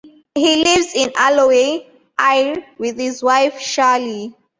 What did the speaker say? He lives in Alloway, Ayr with his wife Shirley.